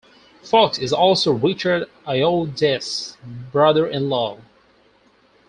Fox is also Richard Ayoade's brother-in-law.